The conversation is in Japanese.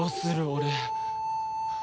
俺